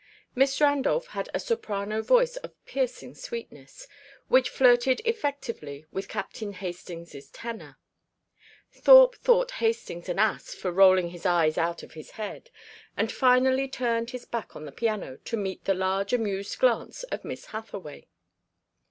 Miss Randolph had a soprano voice of piercing sweetness, which flirted effectively with Captain Hastings' tenor. Thorpe thought Hastings an ass for rolling his eyes out of his head, and finally turned his back on the piano to meet the large amused glance of Miss Hathaway.